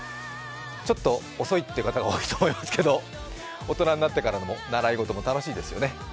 ちょっと遅いという方が多いと思いますけど大人になってからの習い事も楽しいですよね。